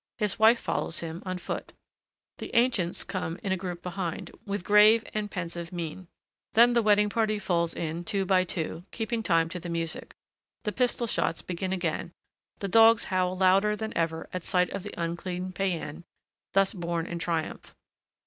His wife follows him on foot, the ancients come in a group behind, with grave and pensive mien; then the wedding party falls in two by two, keeping time to the music. The pistol shots begin again, the dogs howl louder than ever at sight of the unclean païen, thus borne in triumph.